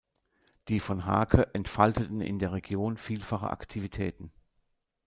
Die von Hake entfalteten in der Region vielfache Aktivitäten.